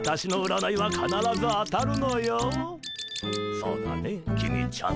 そうだね公ちゃん。